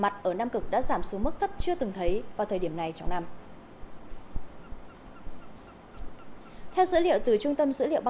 tôi thấy điều này thật sự ý nghĩa